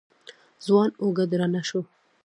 ځوان اوږه درنه شوه.